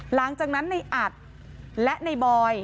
หลังจากนั้นในอัดและในบอย